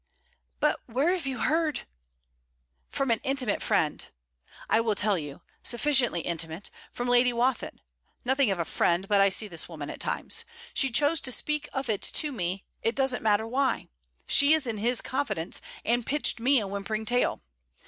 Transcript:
'But where have you heard...?' 'From an intimate friend. I will tell you sufficiently intimate from Lady Wathin. Nothing of a friend, but I see this woman at times. She chose to speak of it to me it doesn't matter why. She is in his confidence, and pitched me a whimpering tale.